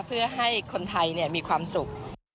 เพื่อให้คนไทยมีความสุข